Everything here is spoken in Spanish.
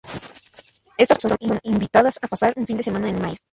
Estas personas son invitadas a pasar un fin de semana en una isla.